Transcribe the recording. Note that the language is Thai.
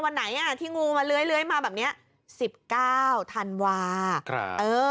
วันไหนที่งูมาเลื้อยมาแบบนี้๑๙ธันวาธุ์